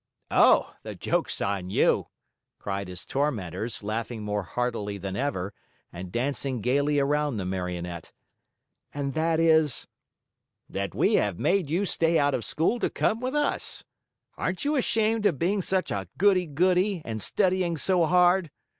"Oh, the joke's on you!" cried his tormentors, laughing more heartily than ever, and dancing gayly around the Marionette. "And that is ?" "That we have made you stay out of school to come with us. Aren't you ashamed of being such a goody goody, and of studying so hard?